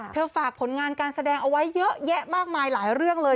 ฝากผลงานการแสดงเอาไว้เยอะแยะมากมายหลายเรื่องเลย